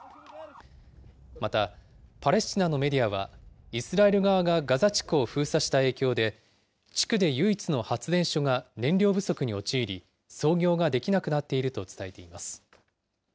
また、パレスチナのメディアは、イスラエル側がガザ地区を封鎖した影響で、地区で唯一の発電所が燃料不足に陥り、操業ができなくなっていると伝えています。